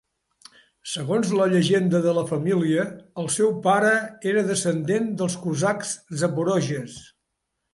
Segons la llegenda de la família, el seu pare era descendent dels cosacs zaporoges.